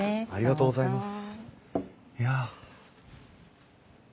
ありがとうございます。